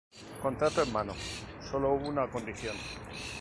Contrato en mano sólo hubo una condición.